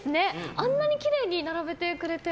あんなにきれいに並べてくれて。